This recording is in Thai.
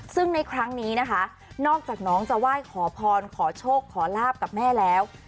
ซึ่งในครั้งนี้นะคะนอกจากน้องจะไหว้ขอพรขอโชคขอลาบกับแม่แล้ว